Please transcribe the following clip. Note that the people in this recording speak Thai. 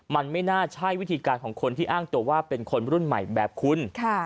มันไม่น่าใช่วิธีการของคนที่อ้างตัวว่าเป็นคนรุ่นใหม่แบบคุณ